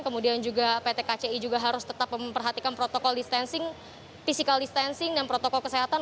kemudian juga pt kci juga harus tetap memperhatikan protokol distancing physical distancing dan protokol kesehatan